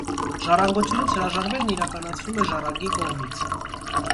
Ժառանգությունից հրաժարվելն իրականացվում է ժառանգի կողմից։